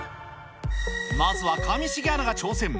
まずは上重アナが挑戦。